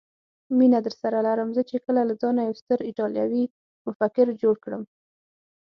مینه درسره لرم، زه چې کله له ځانه یو ستر ایټالوي مفکر جوړ کړم.